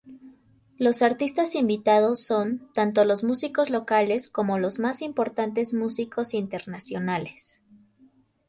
Los artistas invitados son, tanto los músicos locales, como los más importantes músicos internacionales.